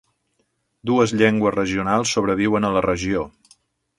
Dues llengües regionals sobreviuen a la regió.